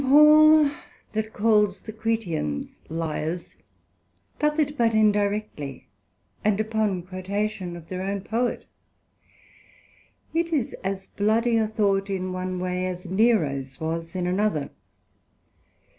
Paul, that calls the Cretians lyars, doth it but indirectly, and upon quotation of their own Poet. It is as bloody a thought in one way, as Nero's was in another.